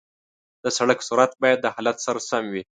د سړک سرعت باید د حالت سره سم وي.